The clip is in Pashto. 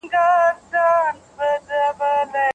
که له کوم لیکوال څخه اغېزمن یاست نو د هغه تېروتني مه پټوئ.